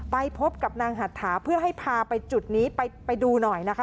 ไปพบกับนางหัตถาเพื่อให้พาไปจุดนี้ไปดูหน่อยนะคะ